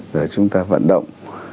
rồi chúng ta vận động